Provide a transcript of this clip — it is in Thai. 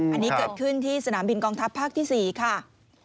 อันนี้เกิดขึ้นที่สนามบินกองทัพภาคที่๔ค่ะ